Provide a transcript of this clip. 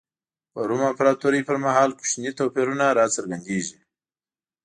په روم امپراتورۍ پر مهال کوچني توپیرونه را څرګندېږي.